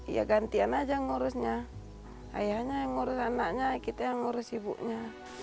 ya gantian aja ngurusnya ayahnya yang ngurus anaknya kita yang ngurus ibunya